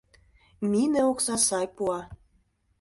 Мине окса сай пуа.